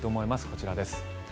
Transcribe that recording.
こちらです。